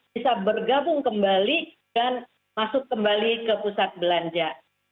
bisa bergabung kembali dan masuk kembali ke pusat belanja